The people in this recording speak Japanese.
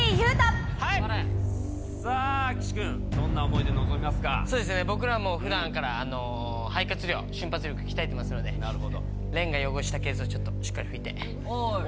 さあ、岸君、そうですね、僕らもふだんから肺活量、瞬発力、鍛えてますので、廉が汚したケースをしっかり拭いて。